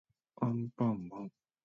アンパンマン